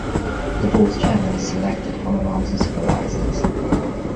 The board's chairman is selected from amongst the supervisors.